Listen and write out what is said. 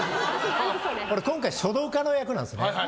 今回、書道家の役なんですね。